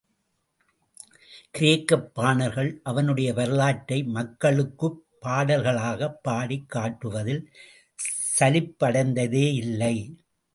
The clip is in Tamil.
கிரேக்கப் பாணர்கள் அவனுடைய வரலாற்றை மக்களுக்குப் பாடல்களாகப் பாடிக் காட்டுவதில் சலிப்படைந்ததேயில்லை.